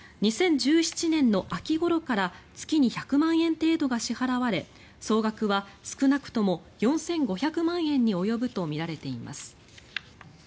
２０１７年の秋ごろから月に１００万円程度が支払われ総額は少なくとも４５００万円に及ぶとみられています。